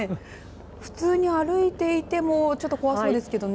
普通に歩いていてもちょっと怖そうですけどね。